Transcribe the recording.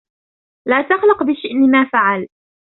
لا تقلق بشأن ما فعلته.